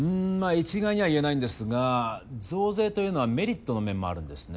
一概には言えないんですが増税というのはメリットの面もあるんですね。